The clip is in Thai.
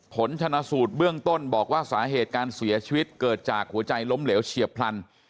ผลชนะสูตรเบื้องต้นบอกว่าสาเหตุการเสียชีวิตเกิดจากหัวใจล้มเหลวเฉียบพลัน